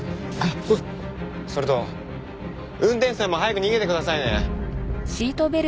それと運転手さんも早く逃げてくださいね。